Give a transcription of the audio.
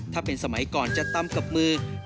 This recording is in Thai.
ถ้าเป็นสมัยก่อนจะตำกับมือ